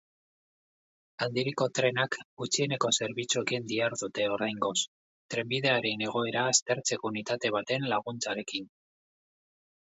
Aldiriko trenak gutxieneko zerbitzuekin dihardute oraingoz, trenbidearen egoera aztertzeko unitate baten laguntzarekin.